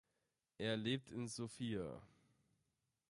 Er lebt in Sofia.